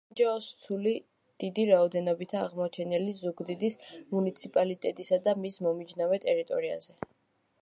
ბრინჯაოს ცული დიდი რაოდენობითაა აღმოჩენილი ზუგდიდის მუნიციპალიტეტისა და მის მომიჯნავე ტერიტორიაზე.